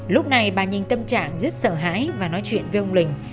lúc này bà nhìn tâm trạng rất sợ hãi và nói chuyện với ông lình